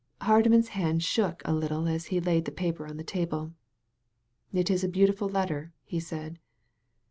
*' Hardman's hand shook a little as he laid the paper on the table. "It is a beautiful letter," he said.